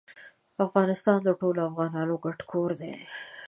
افغانستان د ټولو افغانانو ګډ کور دی.